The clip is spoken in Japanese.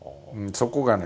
そこがね